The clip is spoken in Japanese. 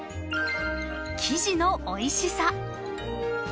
［生地のおいしさ］